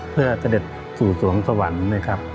เพื่อเสด็จสู่สวงสวรรค์นะครับ